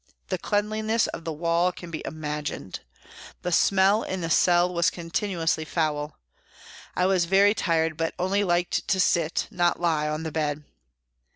The cleanliness of the wall can be imagined. The smell in the cell was continuously foul.* I was very tired, but only liked to sit, not lie, on the bed.